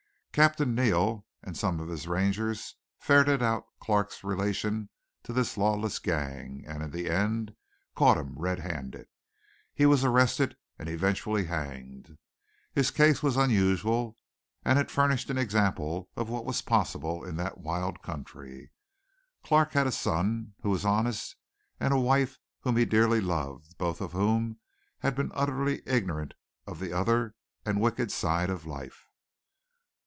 Captain Neal and some of his Rangers ferreted out Clark's relation to this lawless gang, and in the end caught him red handed. He was arrested and eventually hanged. His case was unusual, and it furnished an example of what was possible in that wild country. Clark had a son who was honest and a wife whom he dearly loved, both of whom had been utterly ignorant of the other and wicked side of life.